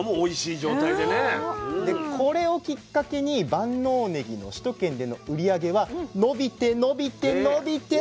でこれをきっかけに万能ねぎの首都圏での売り上げは伸びて伸びて伸びて。